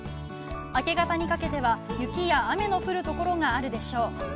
明け方にかけては雪や雨の降るところがあるでしょう。